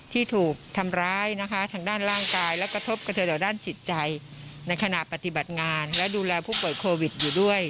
ที่ถูกทำร้ายนะคะทางด้านร่างกายและกระทบกระเทินต่อด้านจิตใจในขณะปฏิบัติงานและดูแลผู้ป่วยโควิดอยู่ด้วย